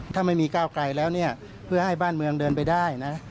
ถ้าไม่มีก้าวไกลแล้วเนี่ยเพื่อให้บ้านเมืองเดินไปได้นะ